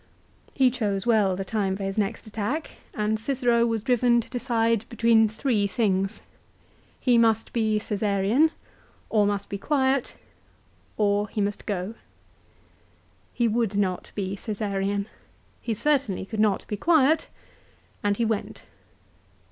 He chose well the time for his next attack and Cicero was driven to decide between three things ; he must be Csesarean, or must be quiet, or he must go. He would not be Csesarean : he certainly could not be quiet, and he went.